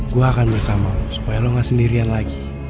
gue akan bersama lu supaya lu gak sendirian lagi